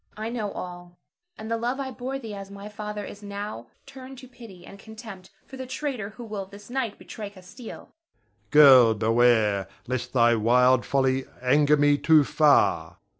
I know all; and the love I bore thee as my father is now turned to pity and contempt for the traitor who will this night betray Castile. Ber. Girl, beware, lest thy wild folly anger me too far!